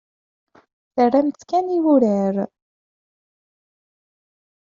Terram-tt kan i wurar.